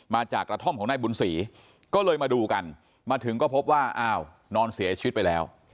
มาจากกระท่อมของนายบุญศรีก็เลยมาดูกันมาถึงก็พบว่าอ้าวนอนเสียชีวิตไปแล้ว